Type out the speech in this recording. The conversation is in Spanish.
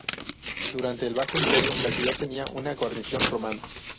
Durante el Bajo Imperio la ciudad tenía una guarnición romana.